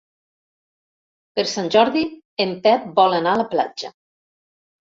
Per Sant Jordi en Pep vol anar a la platja.